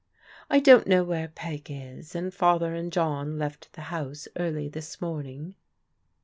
" I don't know where Peg is, and Father and John left the house early this morning."